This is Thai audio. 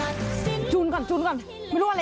อย่าตัดสินคนที่เลวเพียงครั้งแต่จงฟังเหตุผลที่อยู่ในใจ